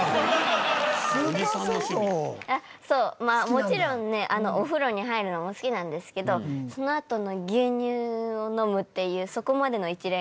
もちろんねお風呂に入るのも好きなんですけどそのあとの牛乳を飲むっていうそこまでの一連が。